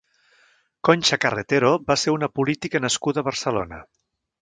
Concha Carretero va ser una política nascuda a Barcelona.